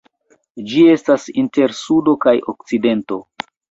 Ĝi estas inter Sudo kaj Okcidento.